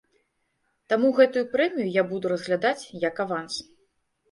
Таму гэтую прэмію я буду разглядаць як аванс.